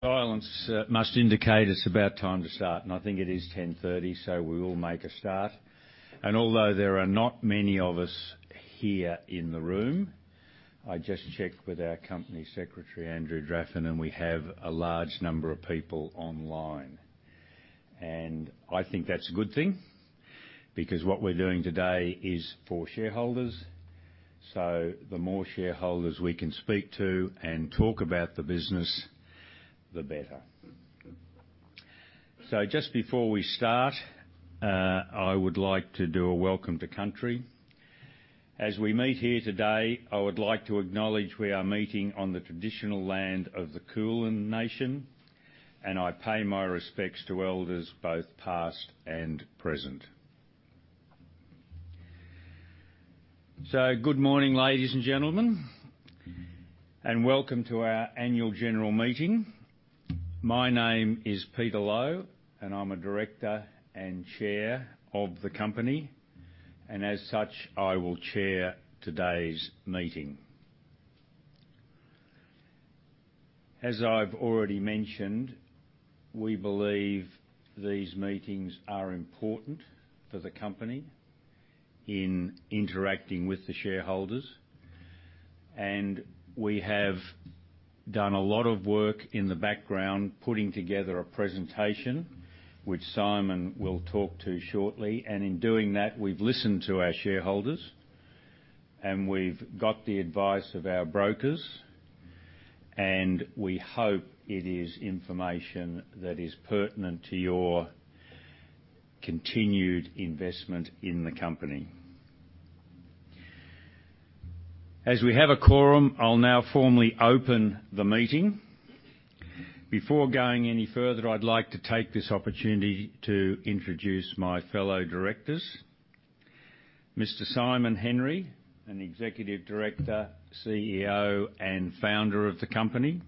Silence must indicate it's about time to start, and I think it is 10:30 A.M., so we will make a start. Although there are not many of us here in the room, I just checked with our Company Secretary, Andrew Draffin, and we have a large number of people online. I think that's a good thing, because what we're doing today is for shareholders. Just before we start, I would like to do a welcome to country. As we meet here today, I would like to acknowledge we are meeting on the traditional land of the Kulin nation, and I pay my respects to elders both past and present. Good morning, ladies and gentlemen, and welcome to our annual general meeting. My name is Peter Lowe, and I'm a director and chair of the company, and as such, I will chair today's meeting. As I've already mentioned, we believe these meetings are important for the company in interacting with the shareholders. We have done a lot of work in the background putting together a presentation, which Simon will talk to shortly. In doing that, we've listened to our shareholders, and we've got the advice of our brokers, and we hope it is information that is pertinent to your continued investment in the company. As we have a quorum, I'll now formally open the meeting. Before going any further, I'd like to take this opportunity to introduce my fellow directors. Mr. Simon Henry, an executive director, CEO, and founder of the company.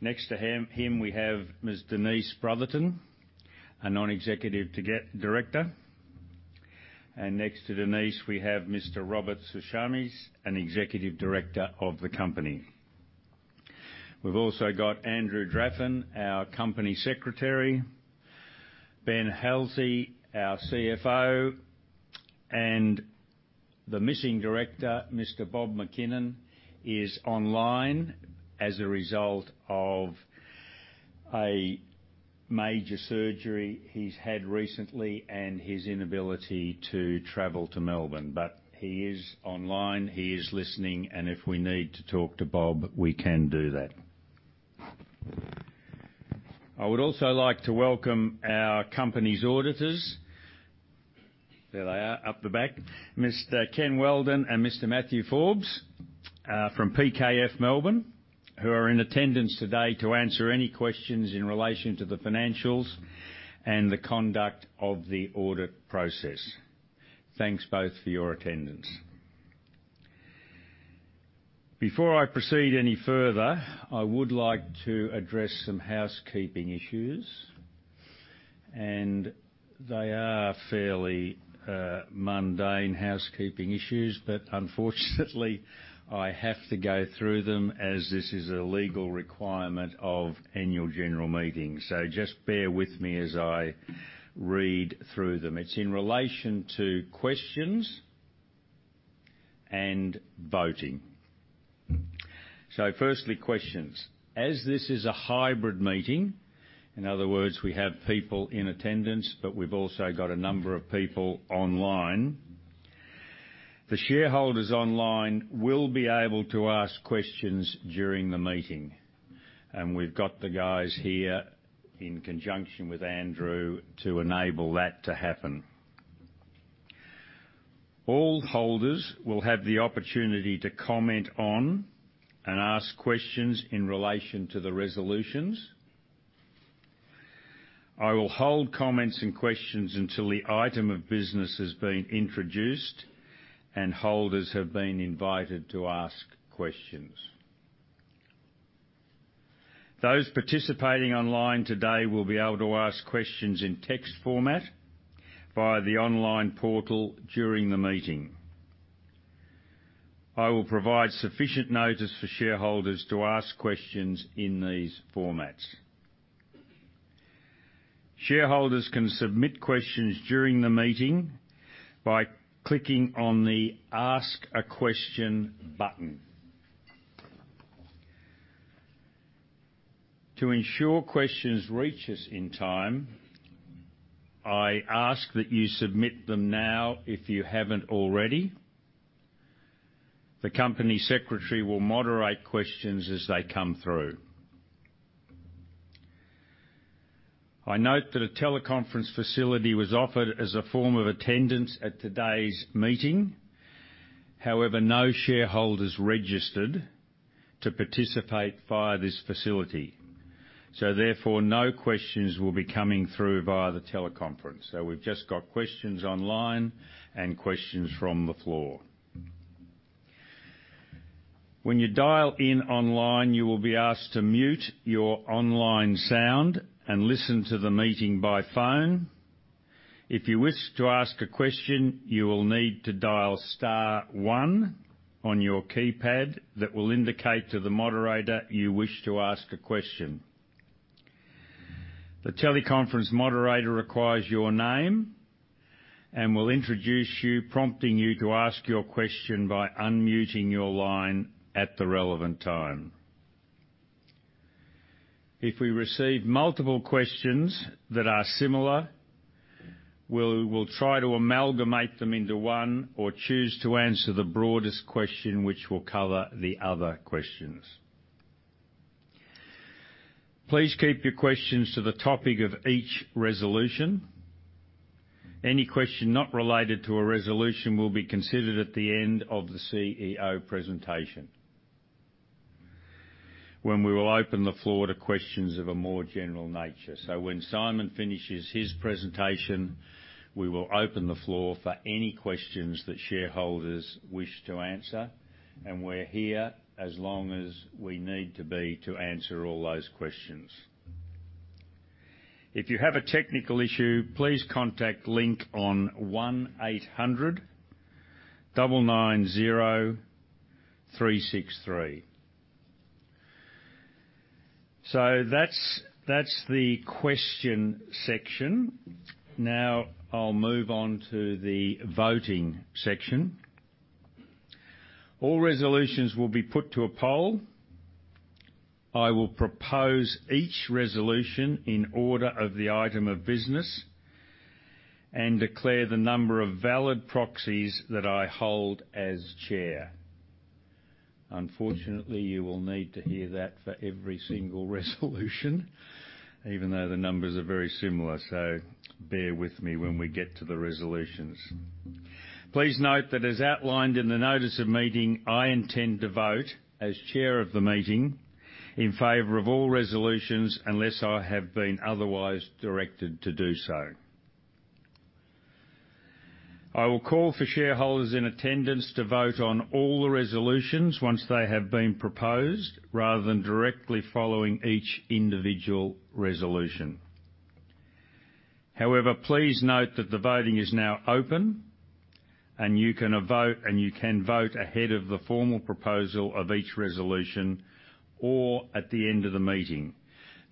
Next to him, we have Ms. Denise Brotherton, a non-executive director. Next to Denise, we have Mr. Robert Sushames, an executive director of the company. We've also got Andrew Draffin, our company secretary. Ben Halsey, our CFO. The missing director, Mr. Robert McKinnon, is online as a result of a major surgery he's had recently and his inability to travel to Melbourne. He is online, he is listening, and if we need to talk to Bob, we can do that. I would also like to welcome our company's auditors. There they are, up the back. Mr. Ken Weldon and Mr. Matthew Forbes from PKF Melbourne, who are in attendance today to answer any questions in relation to the financials and the conduct of the audit process. Thanks both for your attendance. Before I proceed any further, I would like to address some housekeeping issues, and they are fairly, mundane housekeeping issues, but unfortunately, I have to go through them as this is a legal requirement of annual general meetings. Just bear with me as I read through them. It's in relation to questions and voting. Firstly, questions. As this is a hybrid meeting, in other words, we have people in attendance, but we've also got a number of people online, the shareholders online will be able to ask questions during the meeting. We've got the guys here in conjunction with Andrew to enable that to happen. All holders will have the opportunity to comment on and ask questions in relation to the resolutions. I will hold comments and questions until the item of business has been introduced and holders have been invited to ask questions. Those participating online today will be able to ask questions in text format via the online portal during the meeting. I will provide sufficient notice for shareholders to ask questions in these formats. Shareholders can submit questions during the meeting by clicking on the Ask a Question button. To ensure questions reach us in time, I ask that you submit them now if you haven't already. The company secretary will moderate questions as they come through. I note that a teleconference facility was offered as a form of attendance at today's meeting. However, no shareholders registered to participate via this facility. Therefore, no questions will be coming through via the teleconference. We've just got questions online and questions from the floor. When you dial in online, you will be asked to mute your online sound and listen to the meeting by phone. If you wish to ask a question, you will need to dial star one on your keypad that will indicate to the moderator you wish to ask a question. The teleconference moderator requires your name and will introduce you, prompting you to ask your question by unmuting your line at the relevant time. If we receive multiple questions that are similar, we'll try to amalgamate them into one or choose to answer the broadest question which will cover the other questions. Please keep your questions to the topic of each resolution. Any question not related to a resolution will be considered at the end of the CEO presentation when we will open the floor to questions of a more general nature. When Simon finishes his presentation, we will open the floor for any questions that shareholders wish to answer, and we're here as long as we need to be to answer all those questions. If you have a technical issue, please contact Link on 1800 990 363. That's the question section. Now I'll move on to the voting section. All resolutions will be put to a poll. I will propose each resolution in order of the item of business and declare the number of valid proxies that I hold as chair. Unfortunately, you will need to hear that for every single resolution even though the numbers are very similar, so bear with me when we get to the resolutions. Please note that as outlined in the notice of meeting, I intend to vote as chair of the meeting in favor of all resolutions unless I have been otherwise directed to do so. I will call for shareholders in attendance to vote on all the resolutions once they have been proposed, rather than directly following each individual resolution. However, please note that the voting is now open, and you can vote ahead of the formal proposal of each resolution or at the end of the meeting.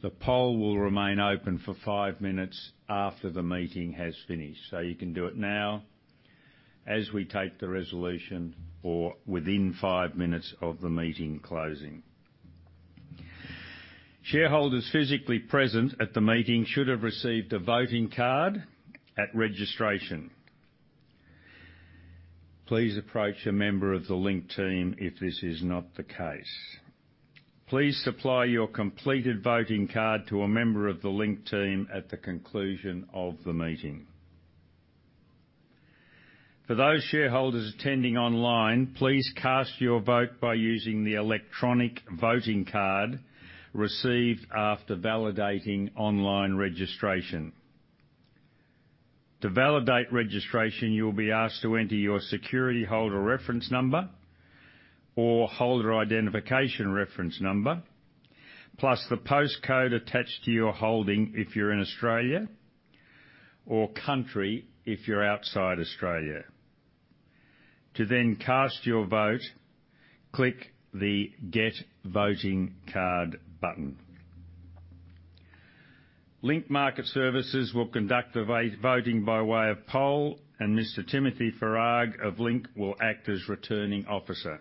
The poll will remain open for five minutes after the meeting has finished. You can do it now, as we take the resolution or within five minutes of the meeting closing. Shareholders physically present at the meeting should have received a voting card at registration. Please approach a member of the Link team if this is not the case. Please supply your completed voting card to a member of the Link team at the conclusion of the meeting. For those shareholders attending online, please cast your vote by using the electronic voting card received after validating online registration. To validate registration, you will be asked to enter your security holder reference number or holder identification reference number, plus the postcode attached to your holding if you're in Australia or country if you're outside Australia. To then cast your vote, click the Get Voting Card button. Link Market Services will conduct the vote, voting by way of poll, and Mr. Timothy Farag of Link will act as Returning Officer.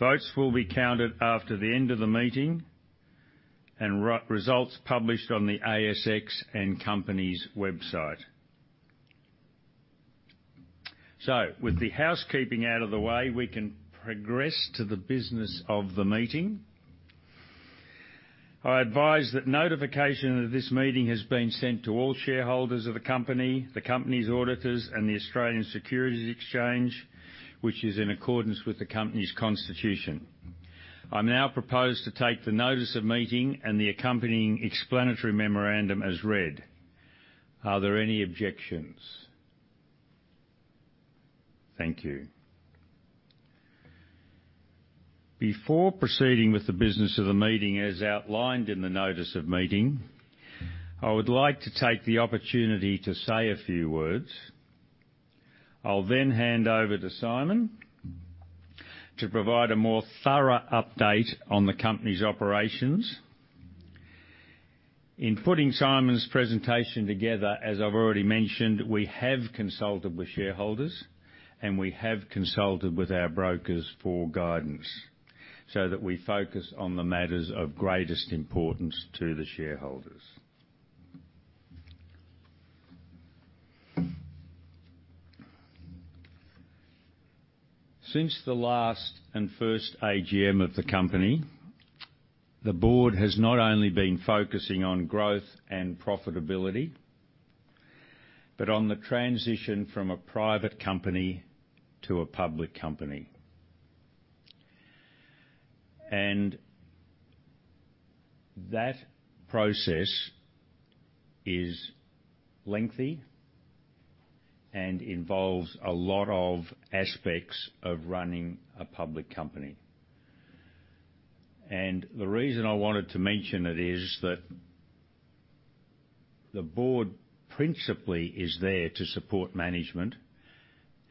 Votes will be counted after the end of the meeting and results published on the ASX and company's website. With the housekeeping out of the way, we can progress to the business of the meeting. I advise that notification of this meeting has been sent to all shareholders of the company, the company's auditors and the Australian Securities Exchange, which is in accordance with the company's constitution. I now propose to take the notice of meeting and the accompanying explanatory memorandum as read. Are there any objections? Thank you. Before proceeding with the business of the meeting as outlined in the notice of meeting, I would like to take the opportunity to say a few words. I'll then hand over to Simon to provide a more thorough update on the company's operations. In putting Simon's presentation together, as I've already mentioned, we have consulted with shareholders, and we have consulted with our brokers for guidance so that we focus on the matters of greatest importance to the shareholders. Since the last and first AGM of the company, the board has not only been focusing on growth and profitability, but on the transition from a private company to a public company. That process is lengthy and involves a lot of aspects of running a public company. The reason I wanted to mention it is that the board principally is there to support management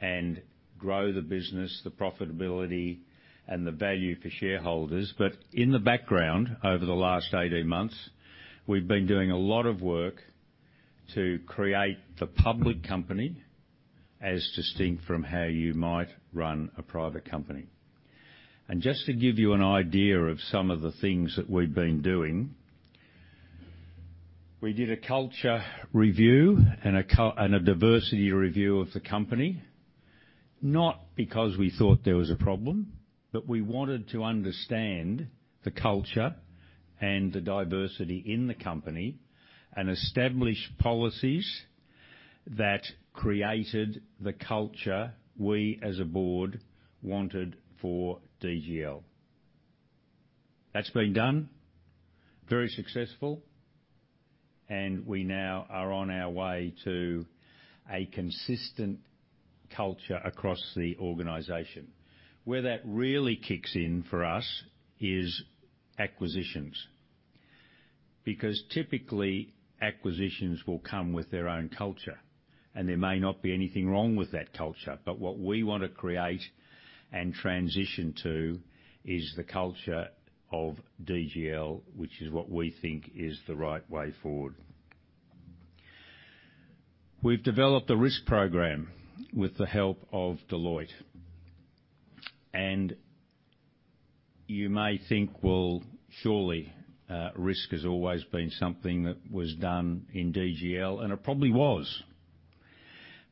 and grow the business, the profitability, and the value for shareholders. In the background, over the last 18 months, we've been doing a lot of work to create the public company as distinct from how you might run a private company. Just to give you an idea of some of the things that we've been doing, we did a culture review and a diversity review of the company, not because we thought there was a problem, but we wanted to understand the culture and the diversity in the company and establish policies that created the culture we as a board wanted for DGL. That's been done, very successful, and we now are on our way to a consistent culture across the organization. Where that really kicks in for us is acquisitions. Because typically, acquisitions will come with their own culture, and there may not be anything wrong with that culture, but what we want to create and transition to is the culture of DGL, which is what we think is the right way forward. We've developed a risk program with the help of Deloitte. You may think, well, surely, risk has always been something that was done in DGL, and it probably was.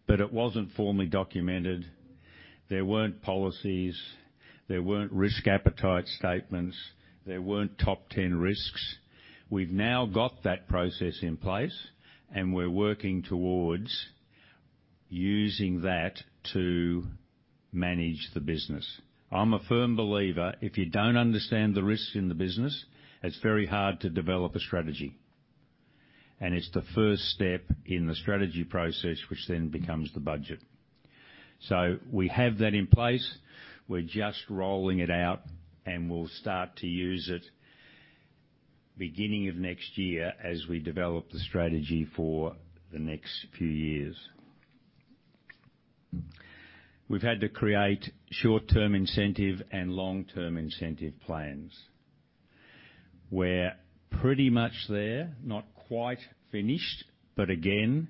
It wasn't formally documented. There weren't policies, there weren't risk appetite statements, there weren't top ten risks. We've now got that process in place, and we're working towards using that to manage the business. I'm a firm believer, if you don't understand the risks in the business, it's very hard to develop a strategy. It's the first step in the strategy process, which then becomes the budget. We have that in place. We're just rolling it out, and we'll start to use it beginning of next year as we develop the strategy for the next few years. We've had to create short-term incentive and long-term incentive plans. We're pretty much there, not quite finished, but again,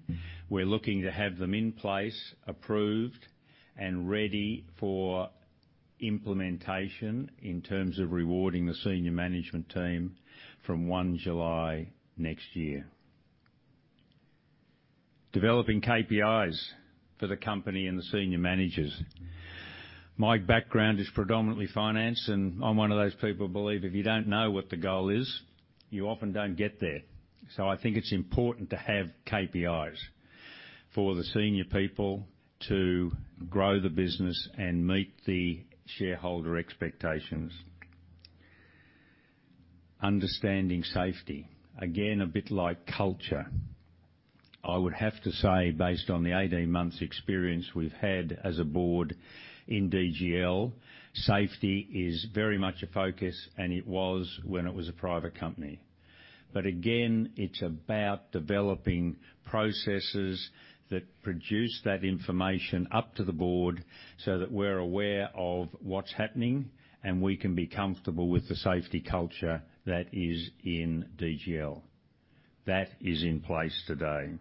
we're looking to have them in place, approved, and ready for implementation in terms of rewarding the senior management team from 1 July next year. Developing KPIs for the company and the senior managers. My background is predominantly finance, and I'm one of those people who believe if you don't know what the goal is, you often don't get there. I think it's important to have KPIs for the senior people to grow the business and meet the shareholder expectations. Understanding safety. Again, a bit like culture. I would have to say, based on the 18 months experience we've had as a board in DGL, safety is very much a focus, and it was when it was a private company. Again, it's about developing processes that produce that information up to the board so that we're aware of what's happening and we can be comfortable with the safety culture that is in DGL. That is in place today.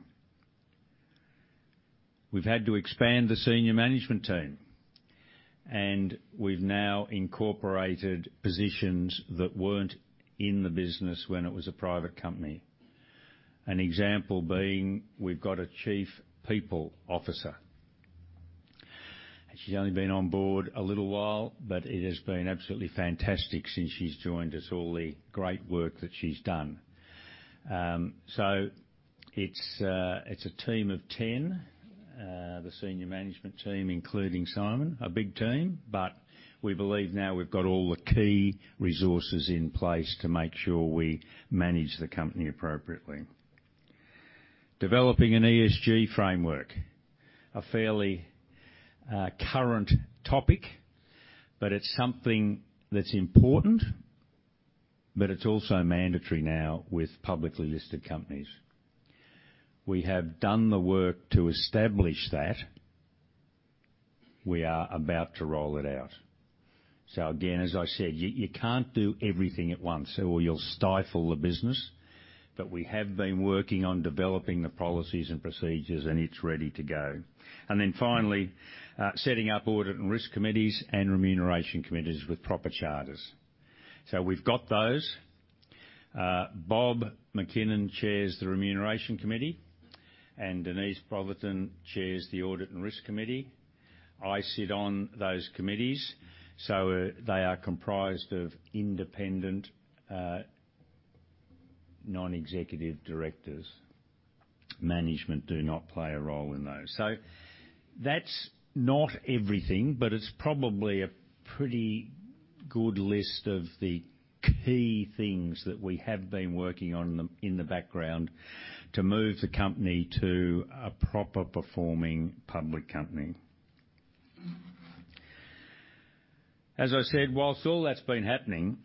We've had to expand the senior management team, and we've now incorporated positions that weren't in the business when it was a private company. An example being, we've got a Chief people officer. She's only been on board a little while, but it has been absolutely fantastic since she's joined us, all the great work that she's done. It's a team of 10, the senior management team, including Simon, a big team, but we believe now we've got all the key resources in place to make sure we manage the company appropriately. Developing an ESG framework, a fairly current topic, but it's something that's important, but it's also mandatory now with publicly listed companies. We have done the work to establish that. We are about to roll it out. Again, as I said, you can't do everything at once or you'll stifle the business. We have been working on developing the policies and procedures, and it's ready to go. Finally, setting up audit and risk committees and remuneration committees with proper charters. We've got those. Bob McKinnon chairs the Remuneration Committee, and Denise Brotherton chairs the Audit and Risk Committee. I sit on those committees, so they are comprised of independent non-executive directors. Management do not play a role in those. That's not everything, but it's probably a pretty good list of the key things that we have been working on in the background to move the company to a proper performing public company. As I said, while all that's been happening,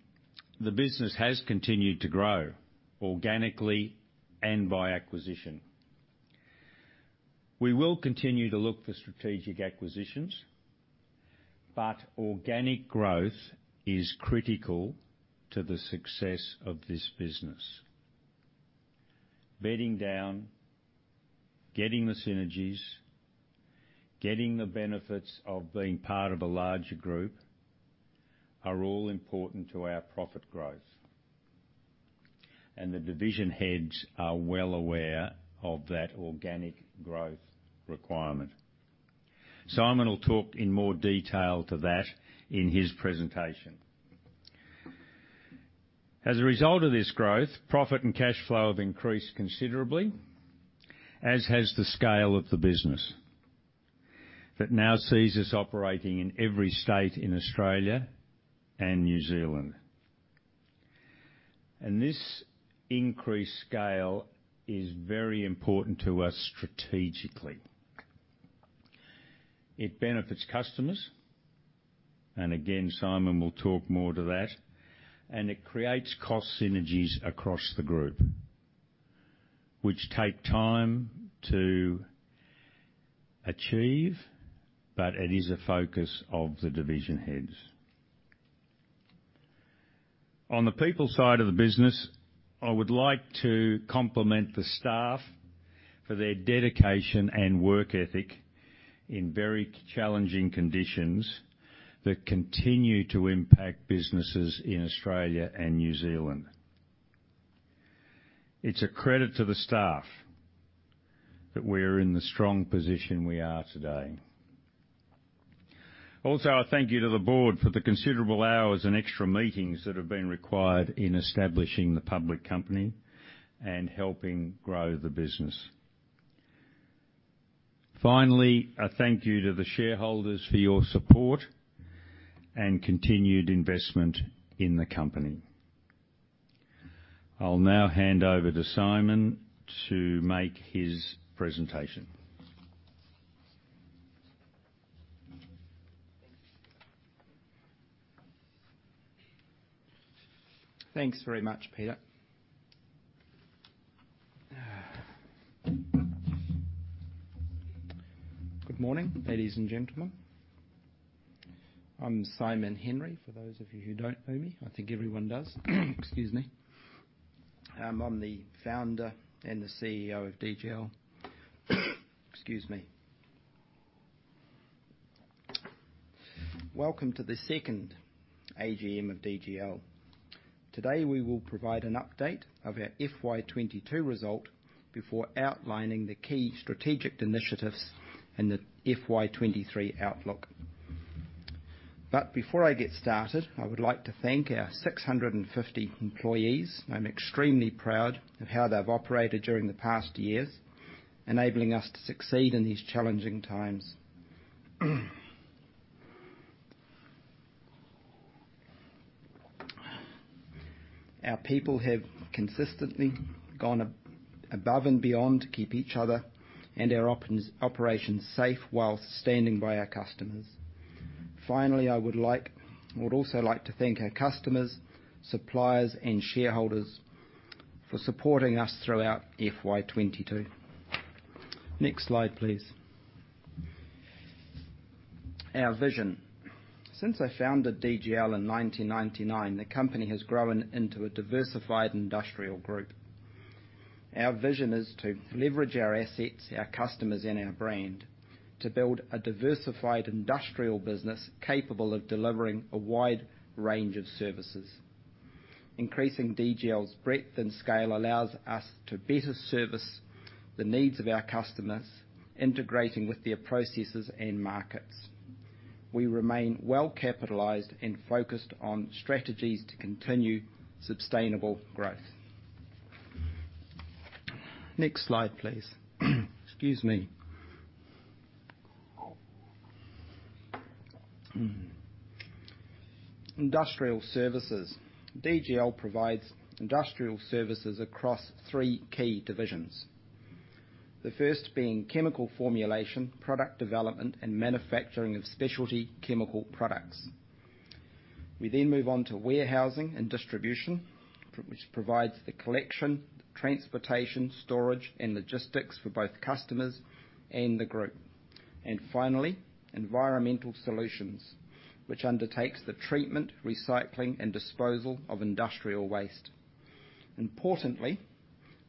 the business has continued to grow organically and by acquisition. We will continue to look for strategic acquisitions, but organic growth is critical to the success of this business. Bedding down, getting the synergies, getting the benefits of being part of a larger group are all important to our profit growth, and the division heads are well aware of that organic growth requirement. Simon will talk in more detail to that in his presentation. As a result of this growth, profit and cash flow have increased considerably, as has the scale of the business. That now sees us operating in every state in Australia and New Zealand. This increased scale is very important to us strategically. It benefits customers, and again, Simon will talk more to that. It creates cost synergies across the group, which take time to achieve, but it is a focus of the division heads. On the people side of the business, I would like to compliment the staff for their dedication and work ethic in very challenging conditions that continue to impact businesses in Australia and New Zealand. It's a credit to the staff that we're in the strong position we are today. Also, a thank you to the board for the considerable hours and extra meetings that have been required in establishing the public company and helping grow the business. Finally, a thank you to the shareholders for your support and continued investment in the company. I'll now hand over to Simon to make his presentation. Thanks very much, Peter. Good morning, ladies and gentlemen. I'm Simon Henry, for those of you who don't know me. I think everyone does. Excuse me. I'm the Founder and the CEO of DGL. Excuse me. Welcome to the second AGM of DGL. Today, we will provide an update of our FY 2022 result before outlining the key strategic initiatives and the FY 2023 outlook. Before I get started, I would like to thank our 650 employees. I'm extremely proud of how they've operated during the past years, enabling us to succeed in these challenging times. Our people have consistently gone above and beyond to keep each other and our operations safe while standing by our customers. Finally, I would also like to thank our customers, suppliers, and shareholders for supporting us throughout FY 2022. Next slide, please. Our vision. Since I founded DGL in 1999, the company has grown into a diversified industrial group. Our vision is to leverage our assets, our customers, and our brand to build a diversified industrial business capable of delivering a wide range of services. Increasing DGL's breadth and scale allows us to better service the needs of our customers, integrating with their processes and markets. We remain well-capitalized and focused on strategies to continue sustainable growth. Next slide, please. Excuse me. Industrial services. DGL provides industrial services across three key divisions. The first being chemical formulation, product development, and manufacturing of specialty chemical products. We then move on to warehousing and distribution, which provides the collection, transportation, storage, and logistics for both customers and the group. Finally, environmental solutions, which undertakes the treatment, recycling, and disposal of industrial waste. Importantly,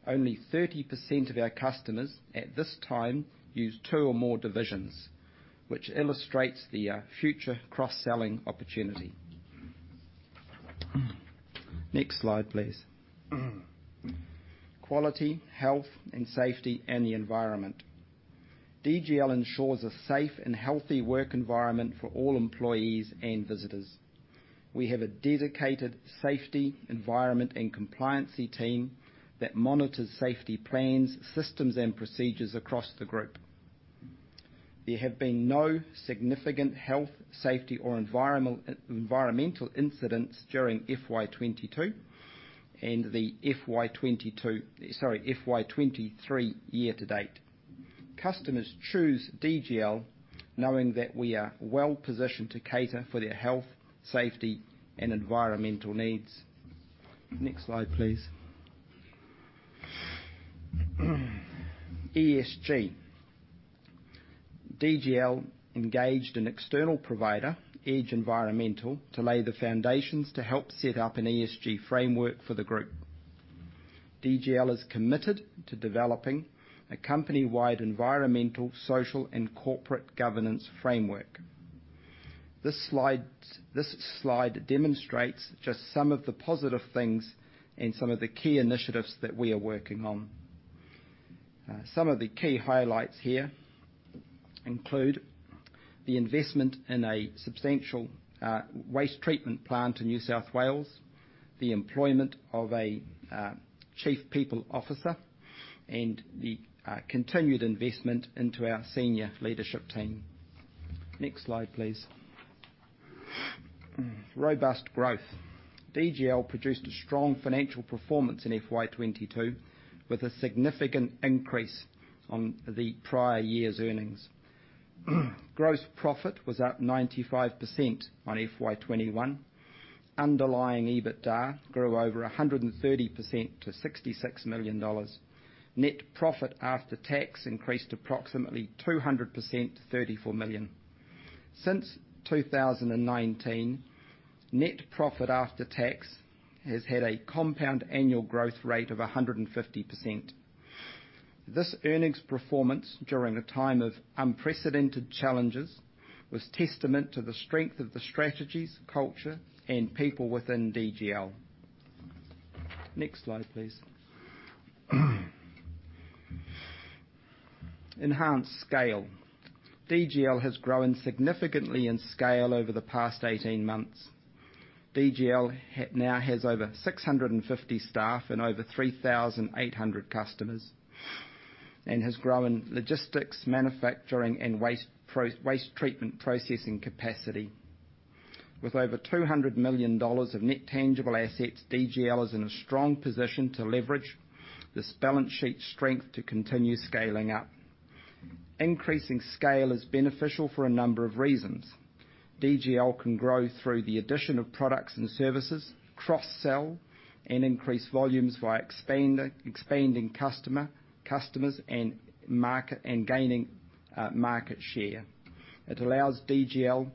only 30% of our customers at this time use two or more divisions, which illustrates the future cross-selling opportunity. Next slide, please. Quality, health and safety, and the environment. DGL ensures a safe and healthy work environment for all employees and visitors. We have a dedicated safety, environment, and compliance team that monitors safety plans, systems, and procedures across the group. There have been no significant health, safety, or environmental incidents during FY 2022 and the FY 2023 year to date. Customers choose DGL knowing that we are well-positioned to cater for their health, safety and environmental needs. Next slide, please. ESG. DGL engaged an external provider, Edge Environmental, to lay the foundations to help set up an ESG framework for the group. DGL is committed to developing a company-wide environmental, social and corporate governance framework. This slide demonstrates just some of the positive things and some of the key initiatives that we are working on. Some of the key highlights here include the investment in a substantial waste treatment plant in New South Wales, the employment of a Chief People Officer, and the continued investment into our senior leadership team. Next slide, please. Robust growth. DGL produced a strong financial performance in FY 2022, with a significant increase on the prior year's earnings. Gross profit was up 95% on FY 2021. Underlying EBITDA grew over 130% to 66 million dollars. Net profit after tax increased approximately 200% to 34 million. Since 2019, net profit after tax has had a compound annual growth rate of 150%. This earnings performance, during a time of unprecedented challenges, was testament to the strength of the strategies, culture, and people within DGL. Next slide, please. Enhanced scale. DGL has grown significantly in scale over the past 18 months. DGL now has over 650 staff and over 3,800 customers, and has grown logistics, manufacturing and waste treatment processing capacity. With over 200 million dollars of net tangible assets, DGL is in a strong position to leverage this balance sheet strength to continue scaling up. Increasing scale is beneficial for a number of reasons. DGL can grow through the addition of products and services, cross-sell and increase volumes via expanding customers and market, and gaining market share. It allows DGL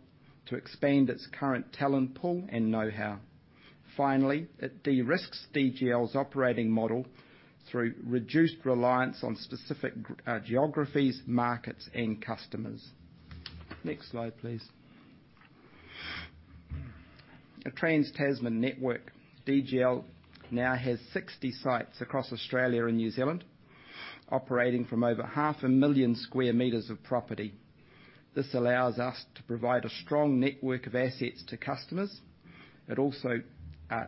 to expand its current talent pool and know-how. Finally, it de-risks DGL's operating model through reduced reliance on specific geographies, markets and customers. Next slide, please. A Trans-Tasman network. DGL now has 60 sites across Australia and New Zealand, operating from over 500,000 square meters of property. This allows us to provide a strong network of assets to customers. It also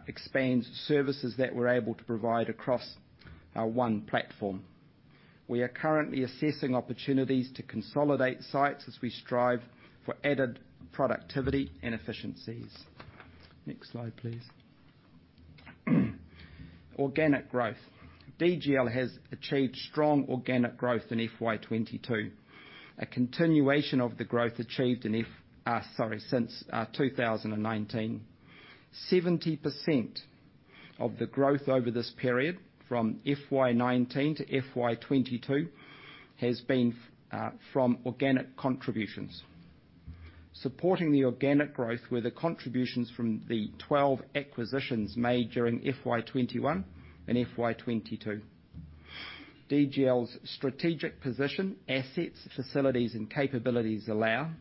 expands services that we're able to provide across our one platform. We are currently assessing opportunities to consolidate sites as we strive for added productivity and efficiencies. Next slide, please. Organic growth. DGL has achieved strong organic growth in FY 22, a continuation of the growth achieved since 2019. 70% of the growth over this period from FY 19 to FY 22 has been from organic contributions. Supporting the organic growth were the contributions from the 12 acquisitions made during FY 2021 and FY 2022. DGL's strategic position, assets, facilities and capabilities allow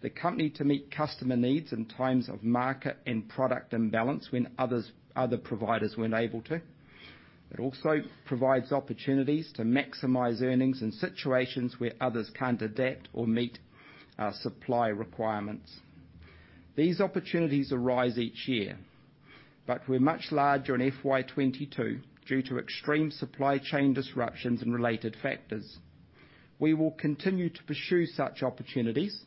the company to meet customer needs in times of market and product imbalance when other providers weren't able to. It also provides opportunities to maximize earnings in situations where others can't adapt or meet our supply requirements. These opportunities arise each year, but were much larger in FY 2022 due to extreme supply chain disruptions and related factors. We will continue to pursue such opportunities,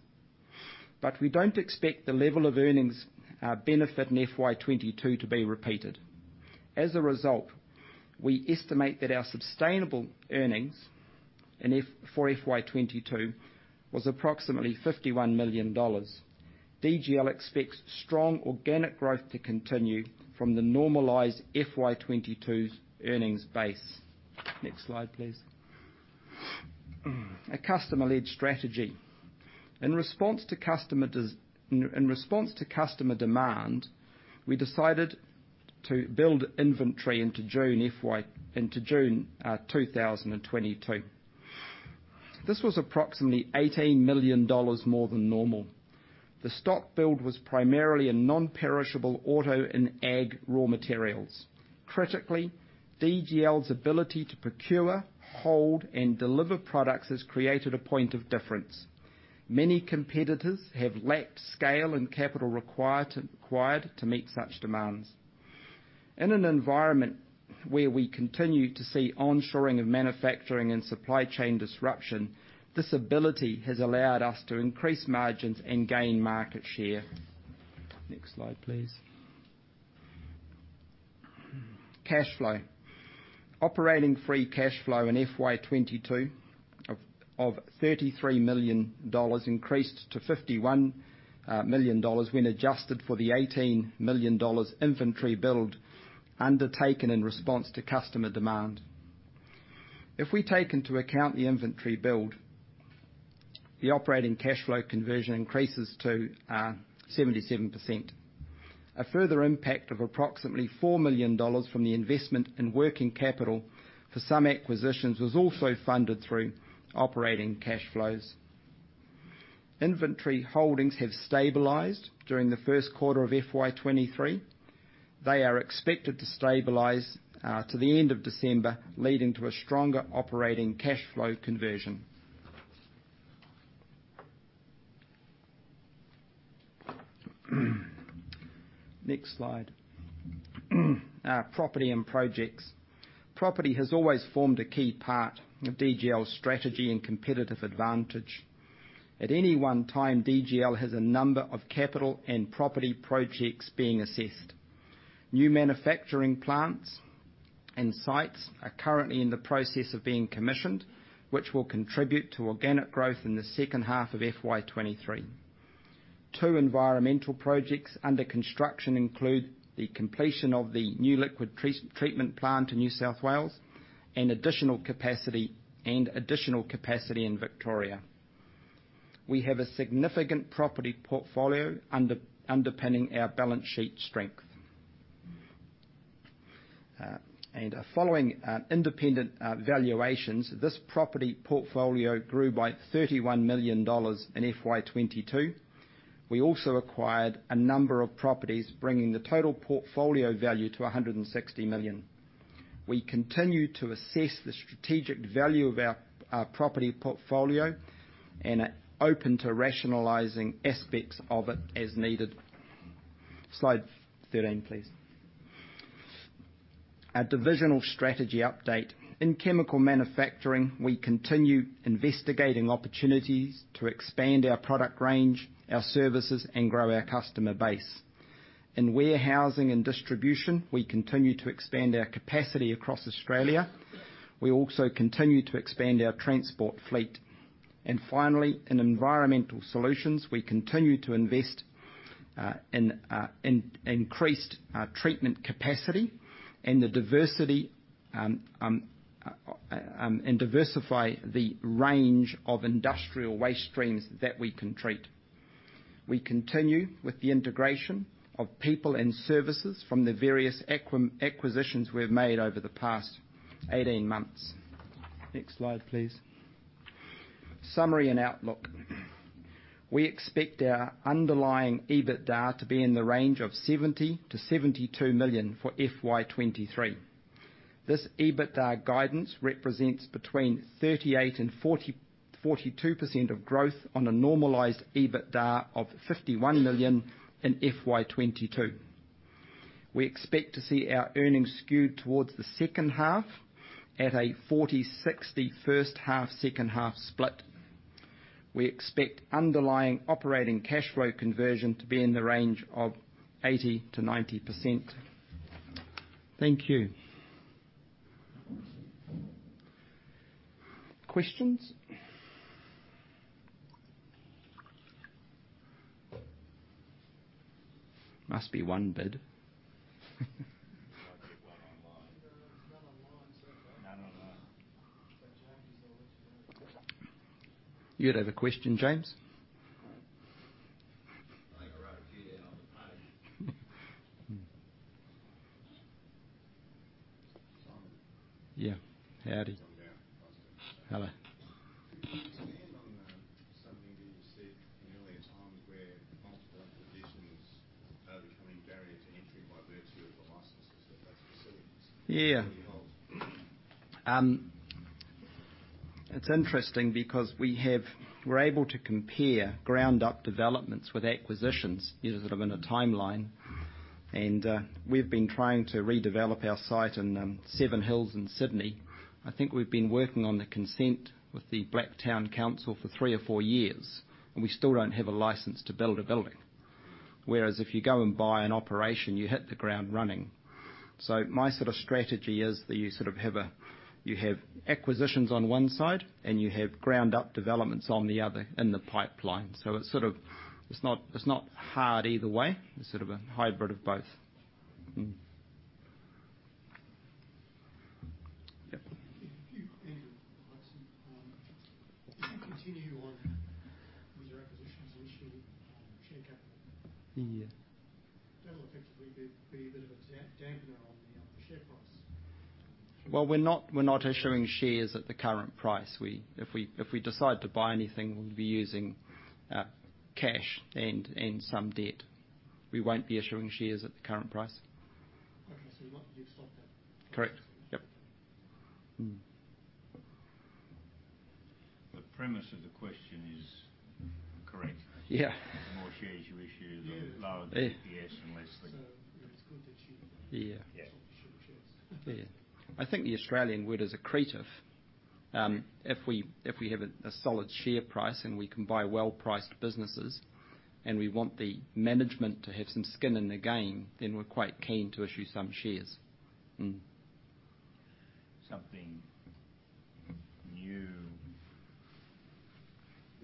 but we don't expect the level of earnings benefit in FY 2022 to be repeated. As a result, we estimate that our sustainable earnings for FY 2022 was approximately 51 million dollars. DGL expects strong organic growth to continue from the normalized FY 2022's earnings base. Next slide, please. A customer-led strategy. In response to customer demand, we decided to build inventory into June FY 2022. This was approximately 18 million dollars more than normal. The stock build was primarily in non-perishable auto and ag raw materials. Critically, DGL's ability to procure, hold and deliver products has created a point of difference. Many competitors have lacked scale and capital required to meet such demands. In an environment where we continue to see onshoring of manufacturing and supply chain disruption, this ability has allowed us to increase margins and gain market share. Next slide, please. Cash flow. Operating free cash flow in FY 2022 of 33 million dollars increased to 51 million dollars when adjusted for the 18 million dollars inventory build undertaken in response to customer demand. If we take into account the inventory build, the operating cash flow conversion increases to 77%. A further impact of approximately 4 million dollars from the investment in working capital for some acquisitions was also funded through operating cash flows. Inventory holdings have stabilized during the first quarter of FY 2023. They are expected to stabilize to the end of December, leading to a stronger operating cash flow conversion. Next slide. Property and projects. Property has always formed a key part of DGL's strategy and competitive advantage. At any one time, DGL has a number of capital and property projects being assessed. New manufacturing plants and sites are currently in the process of being commissioned, which will contribute to organic growth in the second half of FY 2023. Two environmental projects under construction include the completion of the new liquid treatment plant in New South Wales, and additional capacity in Victoria. We have a significant property portfolio underpinning our balance sheet strength. Following independent valuations, this property portfolio grew by 31 million dollars in FY 2022. We also acquired a number of properties, bringing the total portfolio value to 160 million. We continue to assess the strategic value of our property portfolio and are open to rationalizing aspects of it as needed. Slide 13, please. Our divisional strategy update. In chemical manufacturing, we continue investigating opportunities to expand our product range, our services, and grow our customer base. In warehousing and distribution, we continue to expand our capacity across Australia. We also continue to expand our transport fleet. Finally, in environmental solutions, we continue to invest in increased treatment capacity and the diversity and diversify the range of industrial waste streams that we can treat. We continue with the integration of people and services from the various acquisitions we've made over the past 18 months. Next slide, please. Summary and outlook. We expect our underlying EBITDA to be in the range of 70 million-72 million for FY 2023. This EBITDA guidance represents between 38% and 42% of growth on a normalized EBITDA of 51 million in FY 2022. We expect to see our earnings skewed towards the second half at a 40-60 first half, second half split. We expect underlying operating cash flow conversion to be in the range of 80%-90%. Thank you. Questions? Must be one bid. There might be one online. Yeah, there's none online so far. None online. James is always. You had a question, James? [] Yeah. Howdy. [John Barrow, Investor.] Hello. To expand on something that you said in earlier times where multiple acquisitions are becoming a barrier to entry by virtue of the licenses at those facilities. Yeah. Do you hold? It's interesting because we're able to compare ground up developments with acquisitions, you know, sort of in a timeline. We've been trying to redevelop our site in Seven Hills in Sydney. I think we've been working on the consent with the Blacktown City Council for three or four years, and we still don't have a license to build a building. Whereas if you go and buy an operation, you hit the ground running. My sort of strategy is that you have acquisitions on one side, and you have ground up developments on the other in the pipeline. It's not hard either way. It's sort of a hybrid of both. Andrew Hudson. If you continue on these acquisitions issuing share capital- Yeah. That'll effectively be a bit of a damper on the share price. Well, we're not issuing shares at the current price. If we decide to buy anything, we'll be using cash and some debt. We won't be issuing shares at the current price. You've stopped that? Correct. Yep. The premise of the question is correct. Yeah. The more shares you issue, the lower the EPS and less the It's good to issue. Yeah. Yeah. Share the shares. Yeah. I think the Australian word is accretive. If we have a solid share price and we can buy well-priced businesses, and we want the management to have some skin in the game, then we're quite keen to issue some shares. Something new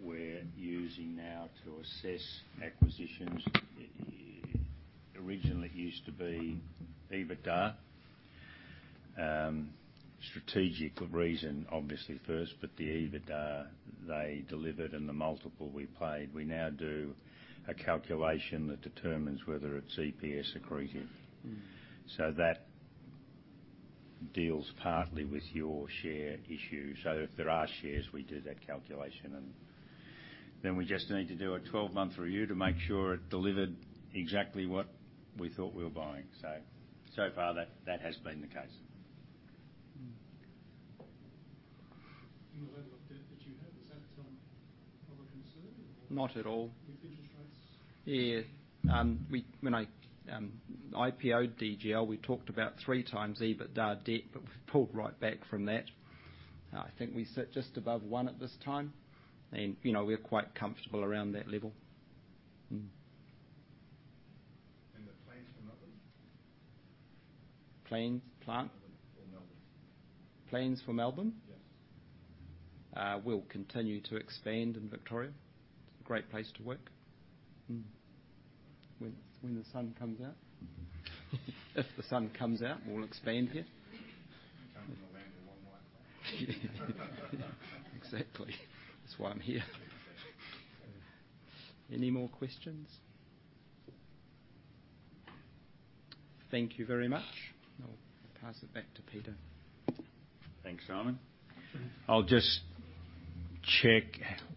we're using now to assess acquisitions. Originally, it used to be EBITDA. Strategic reason, obviously first, but the EBITDA they delivered and the multiple we paid. We now do a calculation that determines whether it's EPS accretive. Mm. That deals partly with your share issue. If there are shares, we do that calculation and then we just need to do a 12-month review to make sure it delivered exactly what we thought we were buying. So far, that has been the case. Mm. The level of debt that you have, is that a cause for concern or? Not at all. With interest rates? When I IPO DGL, we talked about 3x EBITDA debt, but we've pulled right back from that. I think we sit just above one at this time and, you know, we're quite comfortable around that level. The plans for Melbourne? Plans, plant? For Melbourne. Plans for Melbourne? Yes. We'll continue to expand in Victoria. It's a great place to work. When the sun comes out. If the sun comes out, we'll expand here. You come from a land of one white cloud. Exactly. That's why I'm here. Any more questions? Thank you very much. I'll pass it back to Peter. Thanks, Simon. I'll just check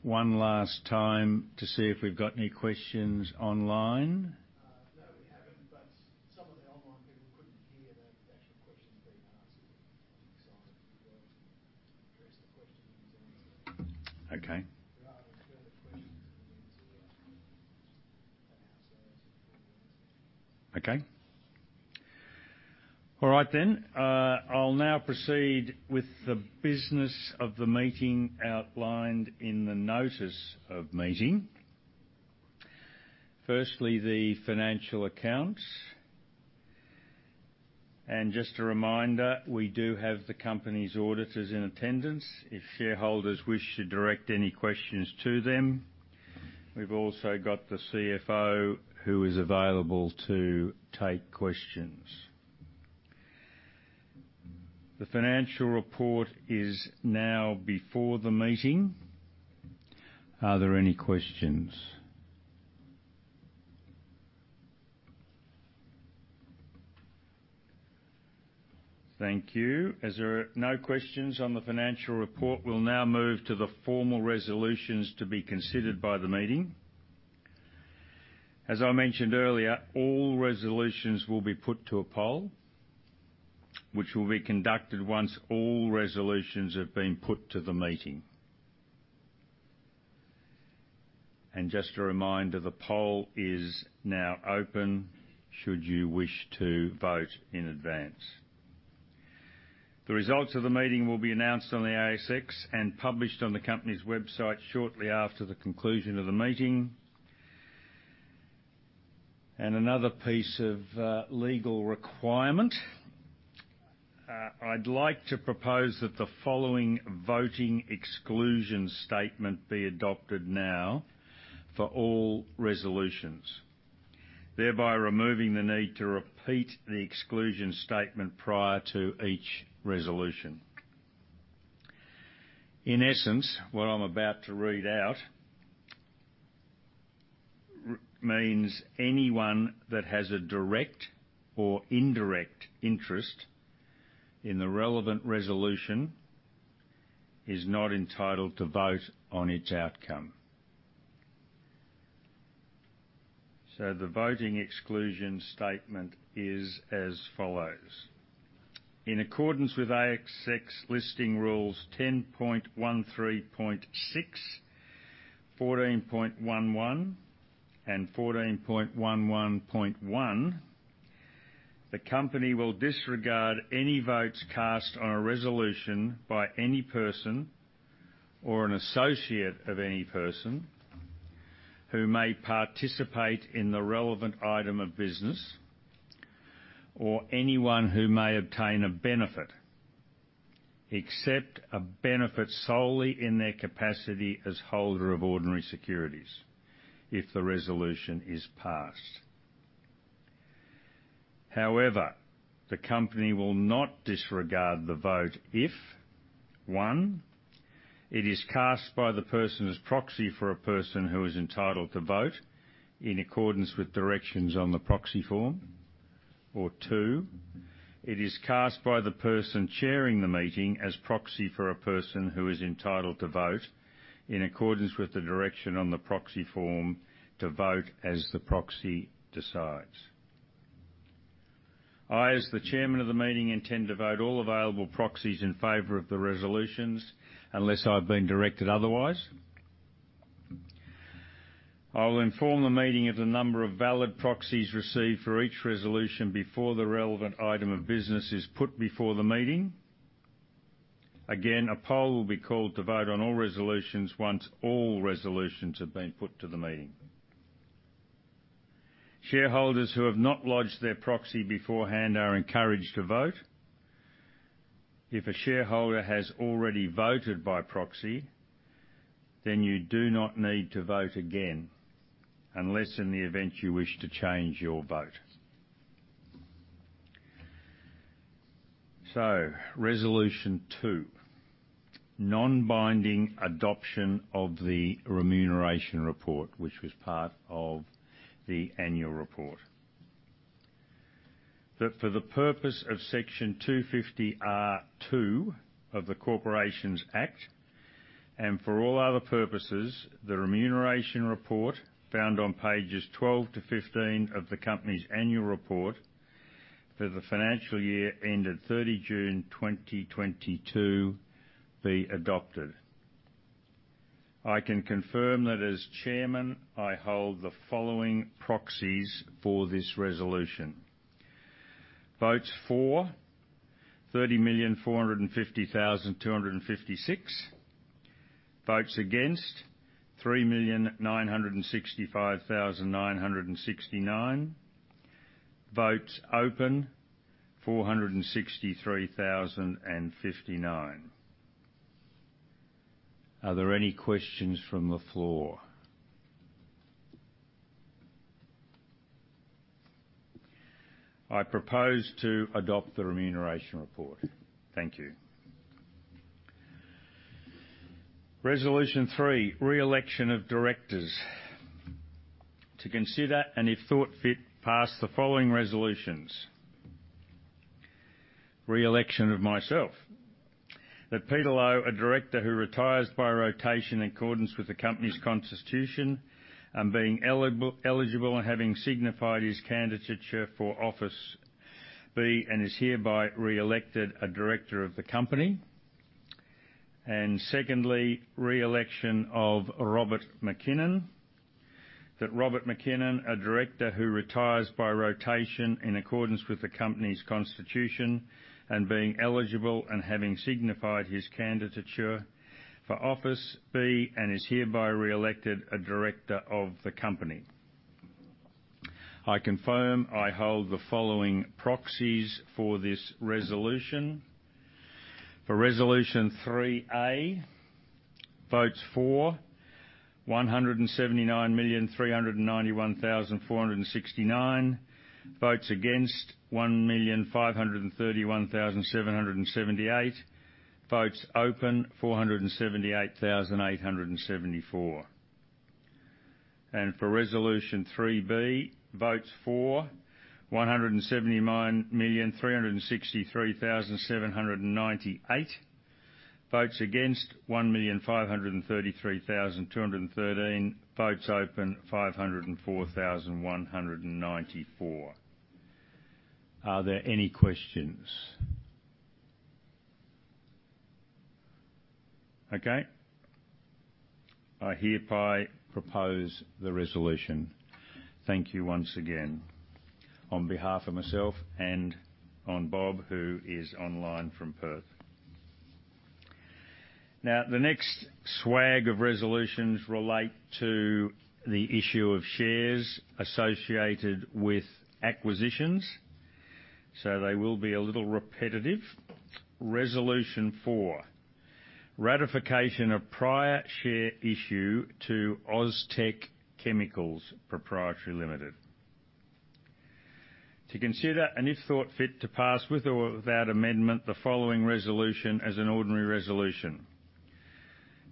one last time to see if we've got any questions online. No, we haven't, but some of the online people couldn't hear the actual questions being asked. I think Simon did well to address the questions and answer them. Okay. There are further questions in the Q&A that have been answered. Okay. All right then. I'll now proceed with the business of the meeting outlined in the notice of meeting. Firstly, the financial accounts. Just a reminder, we do have the company's auditors in attendance if shareholders wish to direct any questions to them. We've also got the CFO who is available to take questions. The financial report is now before the meeting. Are there any questions? Thank you. As there are no questions on the financial report, we'll now move to the formal resolutions to be considered by the meeting. As I mentioned earlier, all resolutions will be put to a poll, which will be conducted once all resolutions have been put to the meeting. Just a reminder, the poll is now open should you wish to vote in advance. The results of the meeting will be announced on the ASX and published on the company's website shortly after the conclusion of the meeting. Another piece of legal requirement. I'd like to propose that the following voting exclusion statement be adopted now for all resolutions, thereby removing the need to repeat the exclusion statement prior to each resolution. In essence, what I'm about to read out means anyone that has a direct or indirect interest in the relevant resolution is not entitled to vote on its outcome. The voting exclusion statement is as follows: In accordance with ASX Listing Rules 10.13.6, 14.11, and 14.11.1, the company will disregard any votes cast on a resolution by any person or an associate of any person who may participate in the relevant item of business or anyone who may obtain a benefit, except a benefit solely in their capacity as holder of ordinary securities if the resolution is passed. However, the company will not disregard the vote if, one, it is cast by the person as proxy for a person who is entitled to vote in accordance with directions on the proxy form. Or two, it is cast by the person chairing the meeting as proxy for a person who is entitled to vote in accordance with the direction on the proxy form to vote as the proxy decides. I, as the chairman of the meeting, intend to vote all available proxies in favor of the resolutions, unless I've been directed otherwise. I will inform the meeting of the number of valid proxies received for each resolution before the relevant item of business is put before the meeting. Again, a poll will be called to vote on all resolutions once all resolutions have been put to the meeting. Shareholders who have not lodged their proxy beforehand are encouraged to vote. If a shareholder has already voted by proxy, then you do not need to vote again, unless in the event you wish to change your vote. Resolution two: Non-binding adoption of the remuneration report, which was part of the annual report. That for the purpose of Section 250R(2) of the Corporations Act 2001, and for all other purposes, the remuneration report found on pages 12 to 15 of the company's annual report for the financial year ended 30 June 2022 be adopted. I can confirm that as chairman, I hold the following proxies for this resolution. Votes for 30,450,256. Votes against 3,965,969. Votes open 463,059. Are there any questions from the floor? I propose to adopt the remuneration report. Thank you. Resolution three: Re-election of directors. To consider, and if thought fit, pass the following resolutions. Re-election of myself, that Peter Lowe, a director who retires by rotation in accordance with the company's constitution, and being eligible, and having signified his candidature for office be, and is hereby re-elected a director of the company. Secondly, re-election of Robert McKinnon. That Robert McKinnon, a director who retires by rotation in accordance with the company's constitution, and being eligible, and having signified his candidature for office be, and is hereby re-elected a director of the company. I confirm I hold the following proxies for this resolution. For Resolution 3A, votes for 179,391,469. Votes against 1,531,778. Votes open 478,874. For Resolution 3B, votes for 179,363,798. Votes against 1,533,213. Votes open 504,194. Are there any questions? Okay. I hereby propose the resolution. Thank you once again on behalf of myself and on Bob, who is online from Perth. Now, the next swag of resolutions relate to the issue of shares associated with acquisitions, so they will be a little repetitive. Resolution four: Ratification of prior share issue to Austech Chemicals Pty Ltd. To consider, and if thought fit to pass with or without amendment, the following resolution as an ordinary resolution.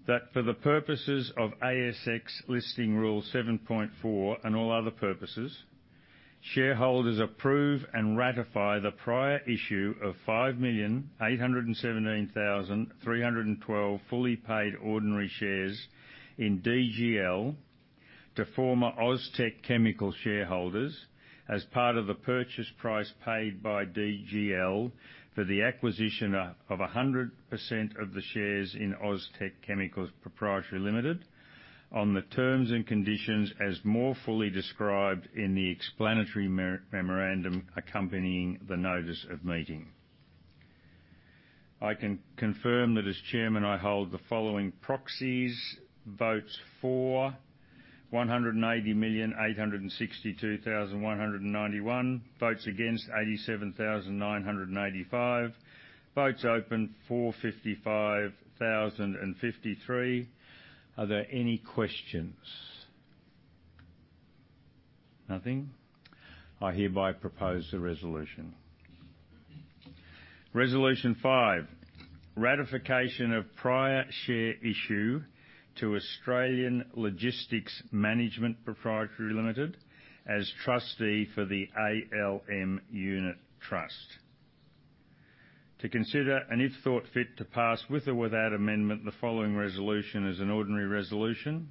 That for the purposes of ASX Listing Rule 7.4 and all other purposes, shareholders approve and ratify the prior issue of 5,817,312 fully paid ordinary shares in DGL to former Austech Chemicals shareholders as part of the purchase price paid by DGL for the acquisition of a 100% of the shares in Austech Chemicals Pty Ltd on the terms and conditions as more fully described in the explanatory memorandum accompanying the notice of meeting. I can confirm that as chairman, I hold the following proxies. Votes for 190,862,191. Votes against 87,995. Votes open 455,053. Are there any questions? Nothing. I hereby propose the resolution. Resolution 5: Ratification of prior share issue to Australian Logistics Management Pty Ltd as trustee for the ALM Unit Trust. To consider, and if thought fit to pass, with or without amendment, the following resolution as an ordinary resolution.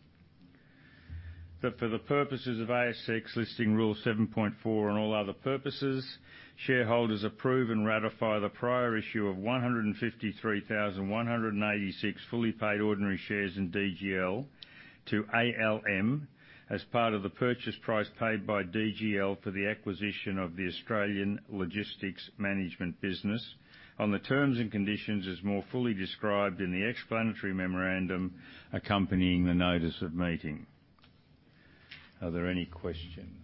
That for the purposes of ASX Listing Rule 7.4 and all other purposes, shareholders approve and ratify the prior issue of 153,196 fully paid ordinary shares in DGL to ALM as part of the purchase price paid by DGL for the acquisition of the Australian Logistics Management business on the terms and conditions as more fully described in the explanatory memorandum accompanying the notice of meeting. Are there any questions?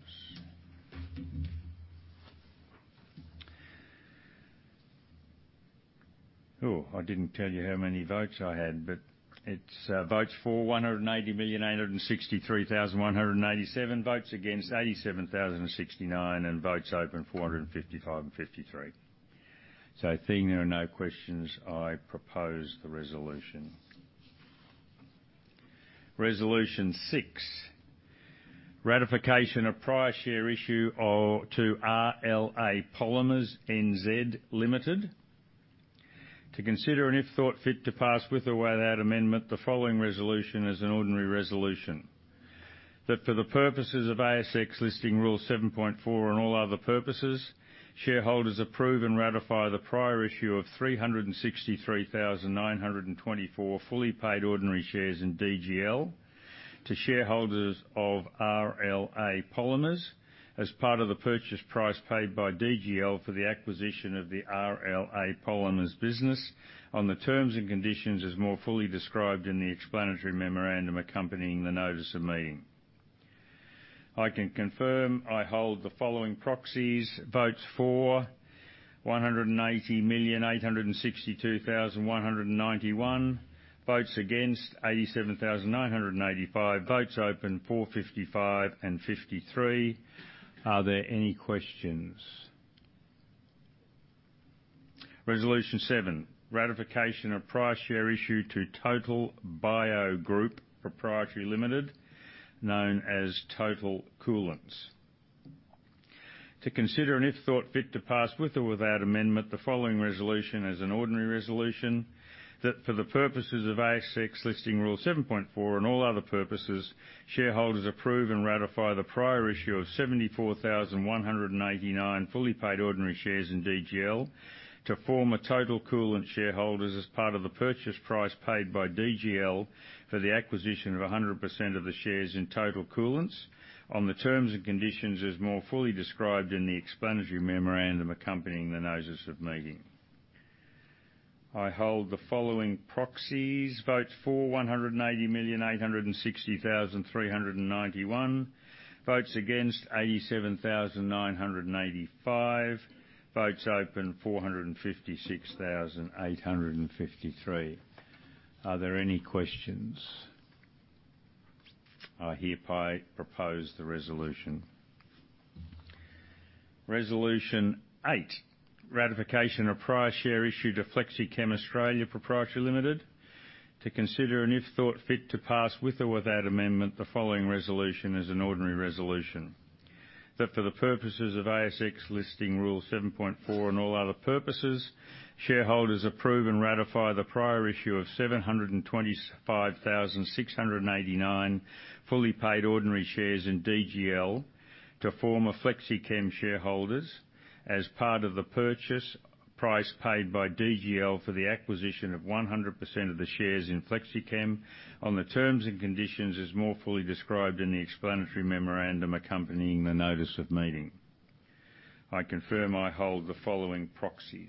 Oh, I didn't tell you how many votes I had, but it's votes for 190,863,187, votes against 87,069, and votes open 455 and 53. Seeing there are no questions, I propose the resolution. Resolution six. Ratification of prior share issue to RLA Polymers NZ Ltd. To consider, and if thought fit to pass, with or without amendment, the following resolution as an ordinary resolution. That for the purposes of ASX Listing Rule 7.4 and all other purposes, shareholders approve and ratify the prior issue of 363,924 fully paid ordinary shares in DGL to shareholders of RLA Polymers as part of the purchase price paid by DGL for the acquisition of the RLA Polymers business on the terms and conditions as more fully described in the explanatory memorandum accompanying the notice of meeting. I can confirm I hold the following proxies. Votes for 190,862,191. Votes against 87,995. Votes open 455 and 53. Are there any questions? Resolution seven. Ratification of prior share issue to Total Bio Group Pty Ltd, known as Total Coolants. To consider, and if thought fit to pass, with or without amendment, the following resolution as an ordinary resolution. That for the purposes of ASX Listing Rule 7.4 and all other purposes, shareholders approve and ratify the prior issue of 74,199 fully paid ordinary shares in DGL to former Total Coolants shareholders as part of the purchase price paid by DGL for the acquisition of 100% of the shares in Total Coolants on the terms and conditions as more fully described in the explanatory memorandum accompanying the notice of meeting. I hold the following proxies. Votes for 190,860,391. Votes against 87,995. Votes open 456,853. Are there any questions? I hereby propose the resolution. Resolution eight. Ratification of prior share issue to Flexichem Australia Pty Ltd. To consider, and if thought fit to pass, with or without amendment, the following resolution as an ordinary resolution. That for the purposes of ASX Listing Rule 7.4 and all other purposes, shareholders approve and ratify the prior issue of 725,699 fully paid ordinary shares in DGL to former Flexichem shareholders as part of the purchase price paid by DGL for the acquisition of 100% of the shares in Flexichem on the terms and conditions as more fully described in the explanatory memorandum accompanying the notice of meeting. I confirm I hold the following proxies.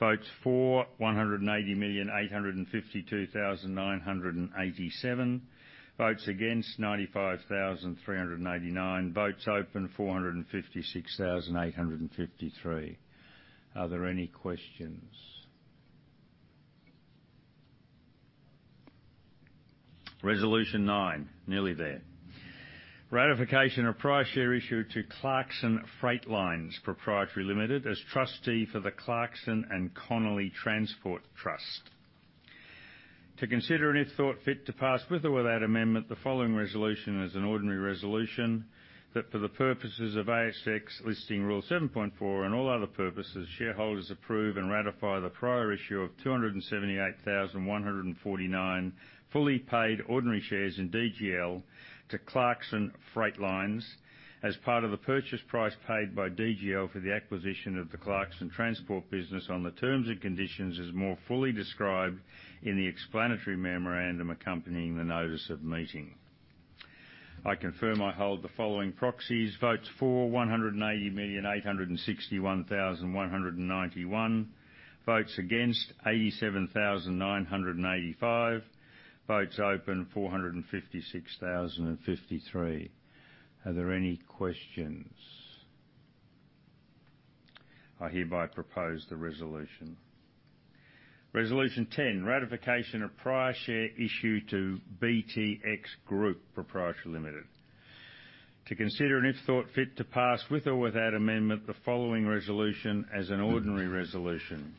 Votes for 190,852,987. Votes against 95,399. Votes open 456,853. Are there any questions? Resolution nine. Nearly there. Ratification of prior share issue to Clarkson Freightlines Pty Ltd as trustee for the Clarkson and Connolly Transport Trust. To consider, and if thought fit to pass, with or without amendment, the following resolution as an ordinary resolution. That for the purposes of ASX Listing Rule 7.4 and all other purposes, shareholders approve and ratify the prior issue of 278,149 fully paid ordinary shares in DGL to Clarkson Freightlines as part of the purchase price paid by DGL for the acquisition of the Clarkson Transport business on the terms and conditions as more fully described in the explanatory memorandum accompanying the notice of meeting. I confirm I hold the following proxies. Votes for 190,861,191. Votes against 87,995. Votes open 456,053. Are there any questions? I hereby propose the resolution. Resolution 10. Ratification of prior share issue to BTX Group Pty Ltd. To consider, and if thought fit to pass, with or without amendment, the following resolution as an ordinary resolution.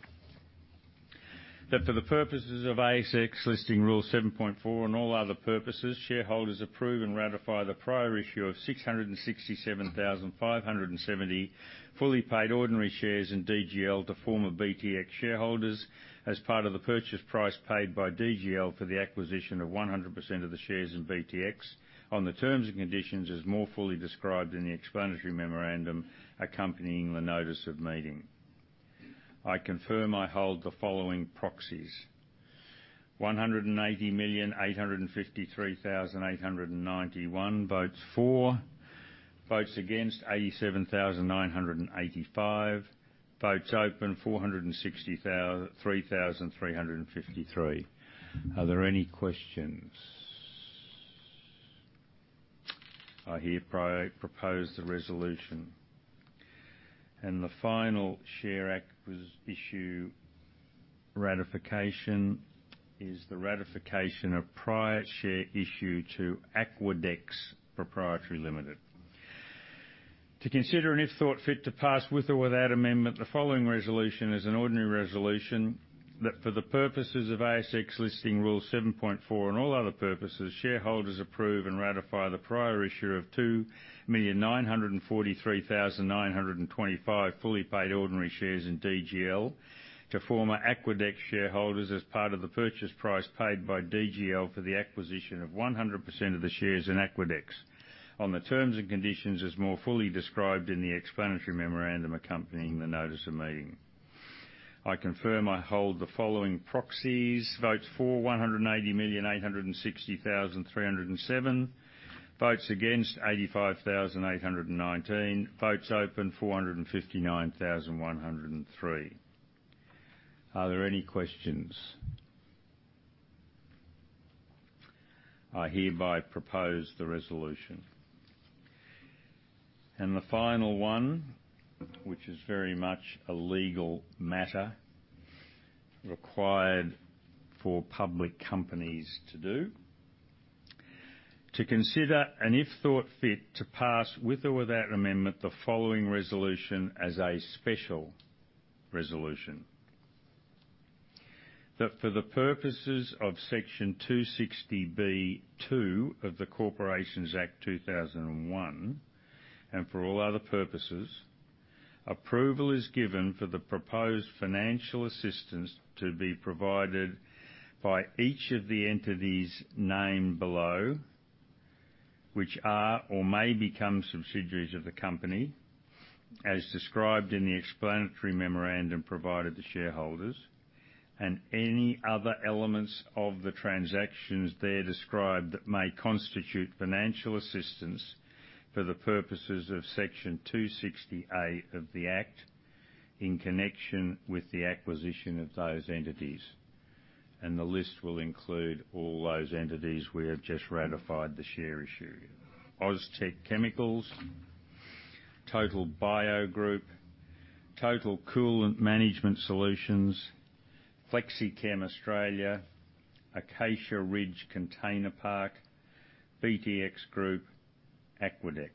That for the purposes of ASX Listing Rule 7.4 and all other purposes, shareholders approve and ratify the prior issue of 667,570 fully paid ordinary shares in DGL to former BTX shareholders as part of the purchase price paid by DGL for the acquisition of 100% of the shares in BTX on the terms and conditions as more fully described in the explanatory memorandum accompanying the notice of meeting. I confirm I hold the following proxies: 190,853,891 votes for; 87,985 votes against; 460,353 votes open. Are there any questions? I hereby propose the resolution. The final share issue ratification is the ratification of prior share issue to Aquadex Pty Ltd. To consider and if thought fit, to pass with or without amendment, the following resolution as an ordinary resolution that for the purposes of ASX Listing Rule 7.4 and all other purposes, shareholders approve and ratify the prior issue of 2,943,925 fully paid ordinary shares in DGL to former Aquadex shareholders as part of the purchase price paid by DGL for the acquisition of 100% of the shares in Aquadex on the terms and conditions as more fully described in the explanatory memorandum accompanying the notice of meeting. I confirm I hold the following proxies: votes for, 190,860,307; votes against, 85,819; votes open, 459,103. Are there any questions? I hereby propose the resolution. The final one, which is very much a legal matter required for public companies to do. To consider and if thought fit, to pass with or without amendment the following resolution as a special resolution. That for the purposes of Section 260B(2) of the Corporations Act 2001, and for all other purposes, approval is given for the proposed financial assistance to be provided by each of the entities named below, which are or may become subsidiaries of the company, as described in the explanatory memorandum provided to shareholders and any other elements of the transactions there described that may constitute financial assistance for the purposes of Section 260A of the Act in connection with the acquisition of those entities. The list will include all those entities we have just ratified the share issue. Austech Chemicals, Total Bio Group, Total Coolant Management Solutions, Flexichem Australia, Acacia Ridge Container Park, BTX Group, Aquadex.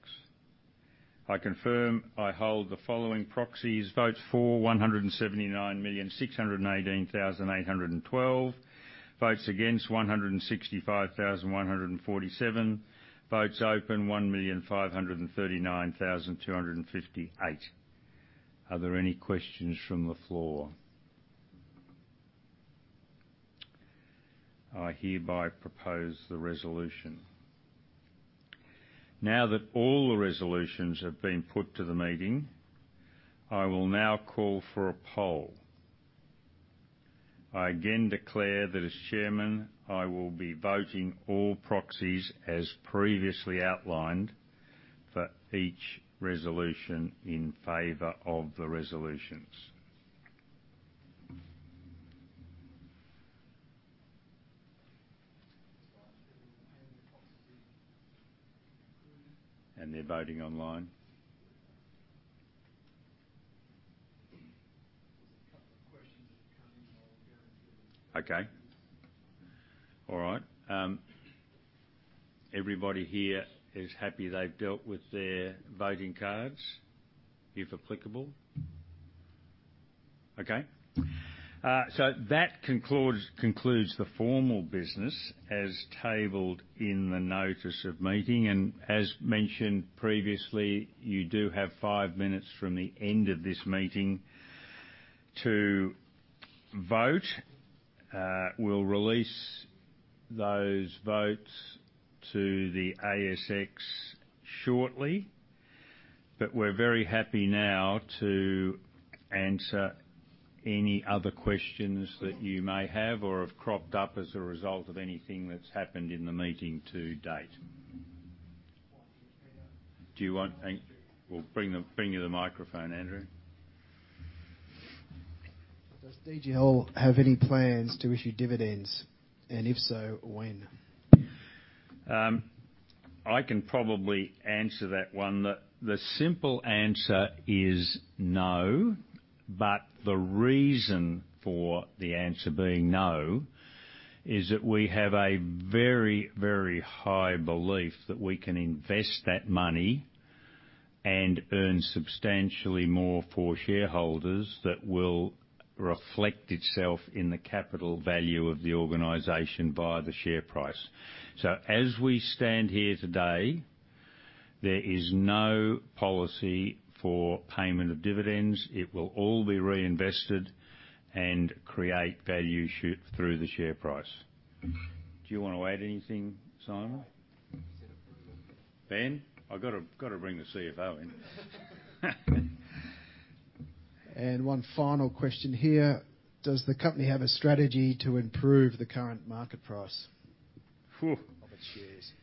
I confirm I hold the following proxies: votes for, 179,618,812; votes against, 165,147; votes open, 1,539,258. Are there any questions from the floor? I hereby propose the resolution. Now that all the resolutions have been put to the meeting, I will now call for a poll. I again declare that as chairman, I will be voting all proxies as previously outlined for each resolution in favor of the resolutions. They're voting online. There's a couple of questions that are coming. Okay. All right. Everybody here is happy they've dealt with their voting cards, if applicable? Okay. That concludes the formal business as tabled in the notice of meeting. As mentioned previously, you do have five minutes from the end of this meeting to vote. We'll release those votes to the ASX shortly, but we're very happy now to answer any other questions that you may have or have cropped up as a result of anything that's happened in the meeting to date. We'll bring you the microphone, Andrew. Does DGL have any plans to issue dividends, and if so, when? I can probably answer that one. The simple answer is no, but the reason for the answer being no is that we have a very, very high belief that we can invest that money and earn substantially more for shareholders that will reflect itself in the capital value of the organization via the share price. As we stand here today, there is no policy for payment of dividends. It will all be reinvested and create value through the share price. Do you wanna add anything, Simon? No. You said it pretty well. Ben? I've gotta bring the CFO in. One final question here: Does the company have a strategy to improve the current market price...of its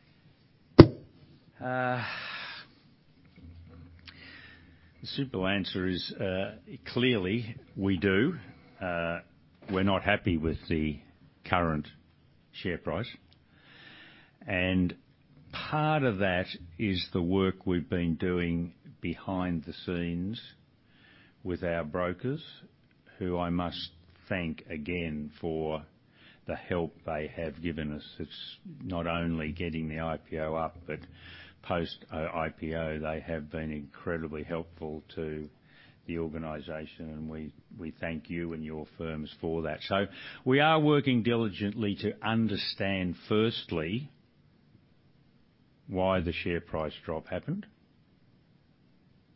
shares? The simple answer is, clearly, we do. We're not happy with the current share price. Part of that is the work we've been doing behind the scenes with our brokers, who I must thank again for the help they have given us. It's not only getting the IPO up, but post-IPO, they have been incredibly helpful to the organization, and we thank you and your firms for that. We are working diligently to understand, firstly, why the share price drop happened.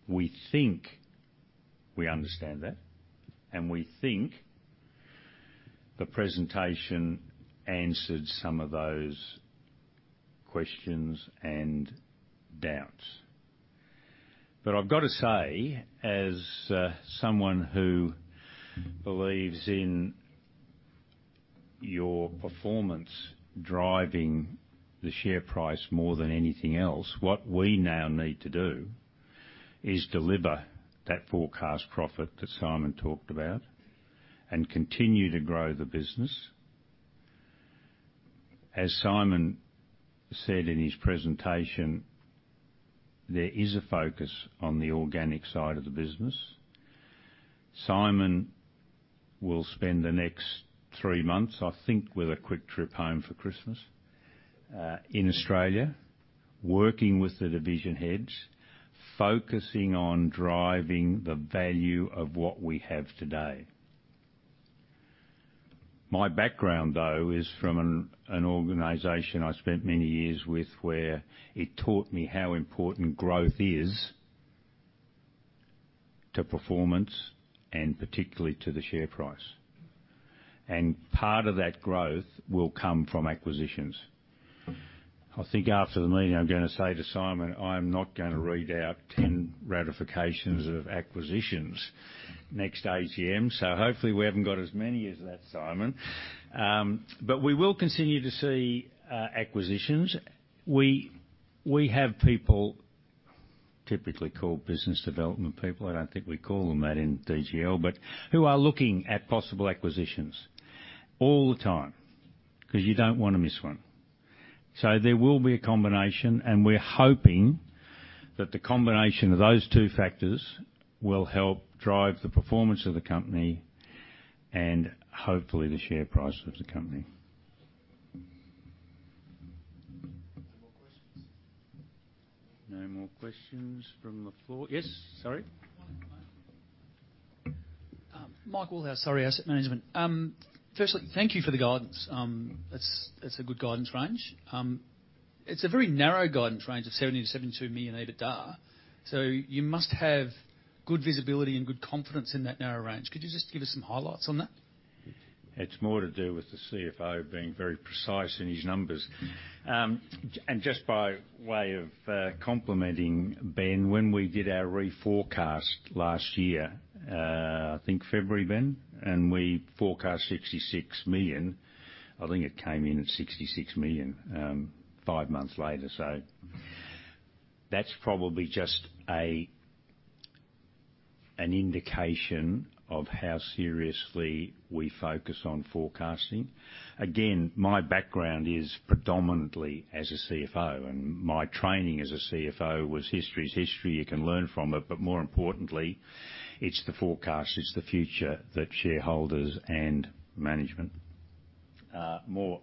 We think we understand that, and we think the presentation answered some of those questions and doubts. I've gotta say, as someone who believes in your performance driving the share price more than anything else, what we now need to do is deliver that forecast profit that Simon talked about and continue to grow the business. As Simon said in his presentation, there is a focus on the organic side of the business. Simon will spend the next three months, I think with a quick trip home for Christmas, in Australia, working with the division heads, focusing on driving the value of what we have today. My background, though, is from an organization I spent many years with, where it taught me how important growth is to performance and particularly to the share price. Part of that growth will come from acquisitions. I think after the meeting, I'm gonna say to Simon, "I'm not gonna read out 10 ratifications of acquisitions next AGM." Hopefully we haven't got as many as that, Simon. But we will continue to see acquisitions. We have people typically called business development people, I don't think we call them that in DGL, but who are looking at possible acquisitions all the time, 'cause you don't wanna miss one. There will be a combination, and we're hoping that the combination of those two factors will help drive the performance of the company and hopefully the share price of the company. Any more questions? No more questions from the floor. Yes. Sorry. Morning, mate. Mike Woolhouse, Surrey Asset Management. Firstly, thank you for the guidance. That's a good guidance range. It's a very narrow guidance range of 70-72 million EBITDA, so you must have good visibility and good confidence in that narrow range. Could you just give us some highlights on that? It's more to do with the CFO being very precise in his numbers. Just by way of complimenting Ben, when we did our reforecast last year, I think February, Ben, and we forecast 66 million, I think it came in at 66 million five months later. That's probably just an indication of how seriously we focus on forecasting. Again, my background is predominantly as a CFO, and my training as a CFO was, history is history, you can learn from it, but more importantly, it's the forecast, it's the future that shareholders and management are more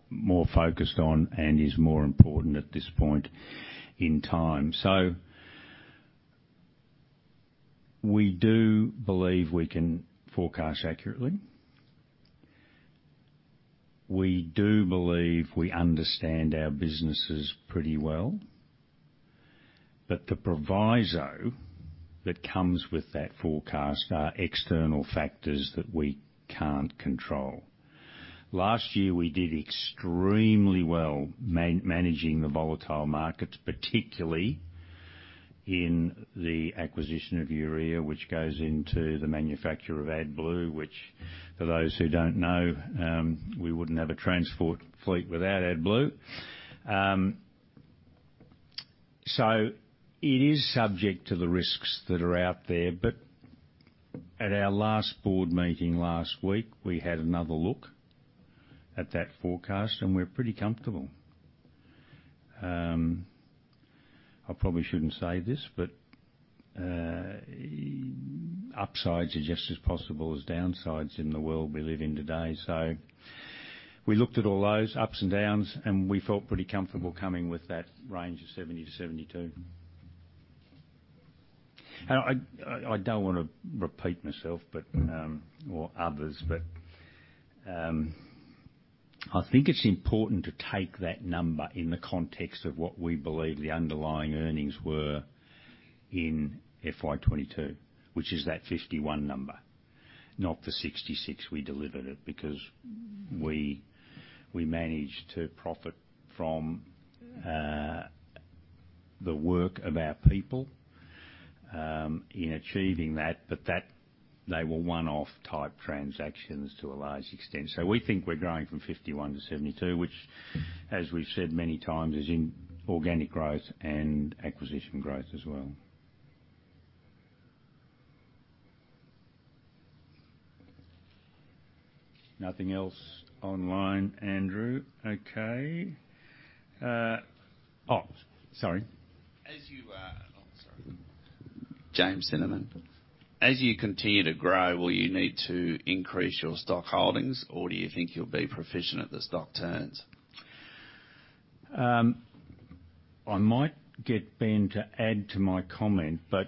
focused on and is more important at this point in time. We do believe we can forecast accurately. We do believe we understand our businesses pretty well. The proviso that comes with that forecast are external factors that we can't control. Last year, we did extremely well managing the volatile markets, particularly in the acquisition of Urea, which goes into the manufacture of AdBlue, which for those who don't know, we wouldn't have a transport fleet without AdBlue. It is subject to the risks that are out there. At our last board meeting last week, we had another look at that forecast, and we're pretty comfortable. I probably shouldn't say this, but, upsides are just as possible as downsides in the world we live in today. We looked at all those ups and downs, and we felt pretty comfortable coming with that range of 70-72. I don't wanna repeat myself, but or others, but I think it's important to take that number in the context of what we believe the underlying earnings were in FY 2022, which is that 51 number, not the 66 we delivered because we managed to profit from the work of our people in achieving that, but that they were one-off type transactions to a large extent. We think we're growing from 51 to 72, which as we've said many times, is in organic growth and acquisition growth as well. Nothing else on the line, Andrew. Okay. James Cinnamon, as you continue to grow, will you need to increase your stock holdings, or do you think you'll be proficient at the stock turns? I might get Ben to add to my comment, but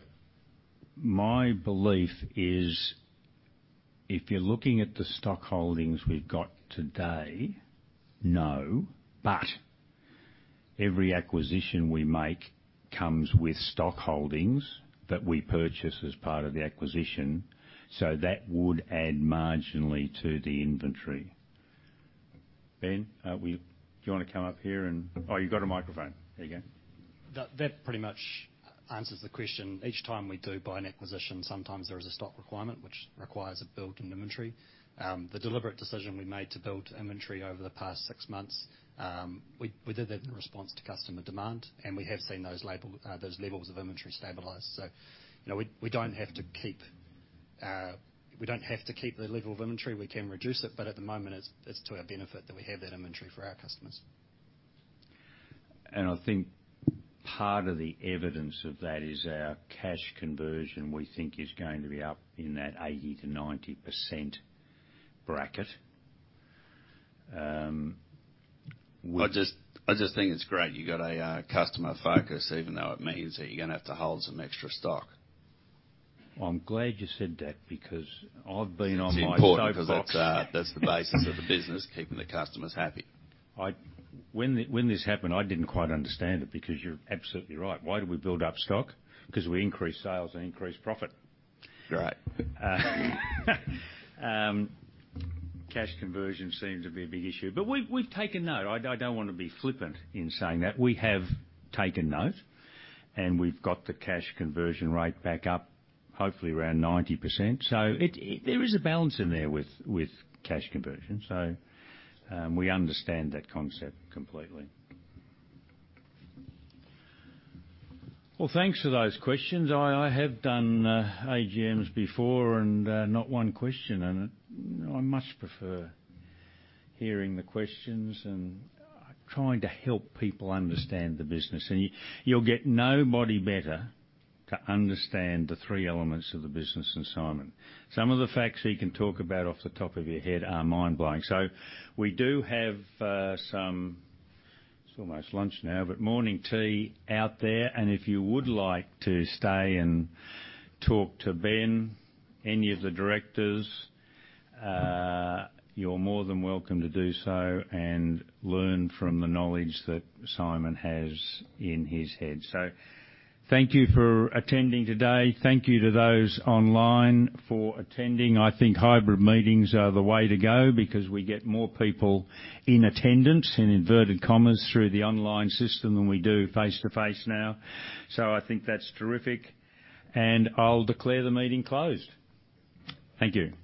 my belief is if you're looking at the stock holdings we've got today, no. Every acquisition we make comes with stock holdings that we purchase as part of the acquisition, so that would add marginally to the inventory. Ben, do you wanna come up here? Oh, you got a microphone. There you go. That pretty much answers the question. Each time we do buy an acquisition, sometimes there is a stock requirement which requires a build in inventory. The deliberate decision we made to build inventory over the past six months, we did that in response to customer demand, and we have seen those levels of inventory stabilize. You know, we don't have to keep the level of inventory. We can reduce it, but at the moment, it's to our benefit that we have that inventory for our customers. I think part of the evidence of that is our cash conversion, we think is going to be up in that 80%-90% bracket. I just think it's great you got a customer focus even though it means that you're gonna have to hold some extra stock. Well, I'm glad you said that because I've been on my soapbox. It's important 'cause that's the basis of the business, keeping the customers happy. When this happened, I didn't quite understand it because you're absolutely right. Why do we build up stock? Because we increase sales and increase profit. Right. Cash conversion seems to be a big issue. We've taken note. I don't wanna be flippant in saying that. We have taken note, and we've got the cash conversion rate back up, hopefully around 90%. There is a balance in there with cash conversion. We understand that concept completely. Well, thanks for those questions. I have done AGMs before and not one question in it. I much prefer hearing the questions and trying to help people understand the business. You'll get nobody better to understand the three elements of the business than Simon. Some of the facts he can talk about off the top of your head are mind-blowing. We do have some. It's almost lunch now, but morning tea out there. If you would like to stay and talk to Ben, any of the directors, you're more than welcome to do so and learn from the knowledge that Simon has in his head. Thank you for attending today. Thank you to those online for attending. I think hybrid meetings are the way to go because we get more people in attendance, in inverted commas, through the online system than we do face-to-face now. I think that's terrific. I'll declare the meeting closed. Thank you.